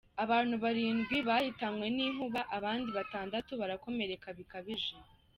Abantu Barindwi bahitanwe n’inkuba abandi batandatu barakomereka bikabije